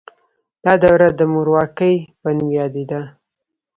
دا دوره د مورواکۍ په نوم یادیده.